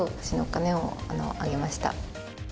私のお金をあげました。